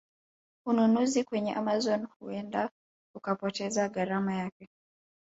Ununuzi kwenye Amazon huenda ukapoteza gharama yake